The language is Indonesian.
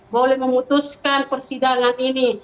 boleh memutuskan persidangan ini